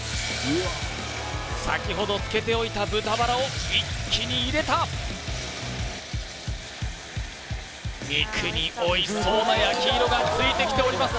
先ほど漬けておいた豚バラを一気に入れた肉においしそうな焼き色がついてきております